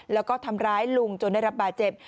แล้วก็ทำร้ายลุงจนได้รับบาดเจ็บ